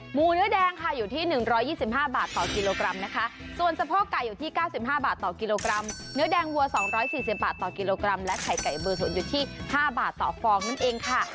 เนื้อแดงค่ะอยู่ที่๑๒๕บาทต่อกิโลกรัมนะคะส่วนสะโพกไก่อยู่ที่๙๕บาทต่อกิโลกรัมเนื้อแดงวัว๒๔๐บาทต่อกิโลกรัมและไข่ไก่เบอร์ศูนย์อยู่ที่๕บาทต่อฟองนั่นเองค่ะ